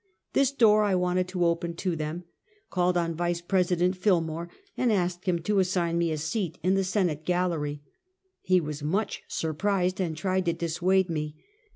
This door I wanted to open to them, called on Yice President Fillmore and asked him to assign me a seat in the Senate gallery. He was much surprised and tried to dissuade me.